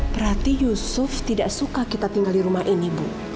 berarti yusuf tidak suka kita tinggal di rumah ini bu